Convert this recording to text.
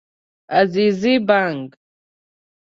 عزیزي بانګ